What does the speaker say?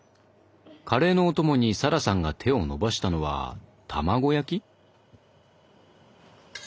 カレーのお供に咲来さんが手を伸ばしたのは卵焼き？